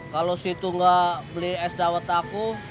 kalau situ nggak beli es dawet aku